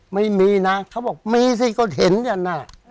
ไม่มีนะเขาบอกมีสิเขาเห็นอย่างนั้น